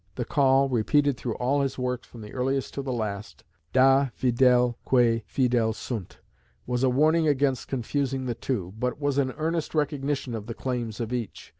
The call, repeated through all his works from the earliest to the last, Da Fidel quæ Fidel sunt, was a warning against confusing the two, but was an earnest recognition of the claims of each.